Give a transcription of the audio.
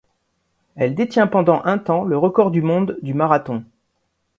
Elle détient pendant un temps le record du monde du marathon.